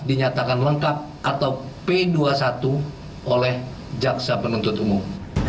dinyatakan lengkap atau p dua puluh satu oleh jaksa penuntut umum